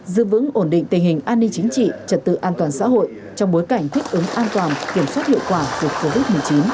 giữ vững ổn định tình hình an ninh chính trị trật tự an toàn xã hội trong bối cảnh thích ứng an toàn kiểm soát hiệu quả của covid một mươi chín